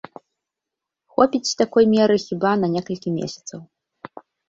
Хопіць такой меры, хіба, на некалькі месяцаў.